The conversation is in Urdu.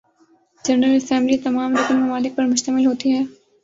جنرل اسمبلی تمام رکن ممالک پر مشتمل ہوتی ہے